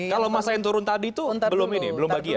kalau masa yang turun tadi itu belum ini belum bagian